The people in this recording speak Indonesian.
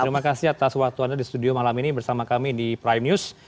terima kasih atas waktu anda di studio malam ini bersama kami di prime news